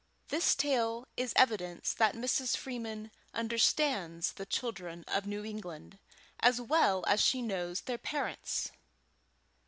This tale is evidence that Mrs. Freeman understands the children of New England as well as she knows their parents.